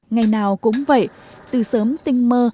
ngày nào cũng vậy từ sớm tinh mơ